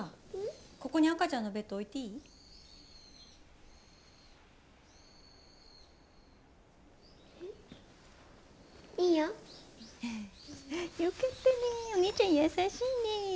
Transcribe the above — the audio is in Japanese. ここに赤ちゃんのベッド置いていい？いいよ。よかったねお姉ちゃん優しいね。